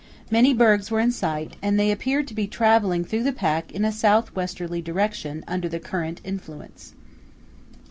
Many bergs were in sight, and they appeared to be travelling through the pack in a south westerly direction under the current influence.